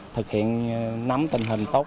thực hiện nắm tình hình tốt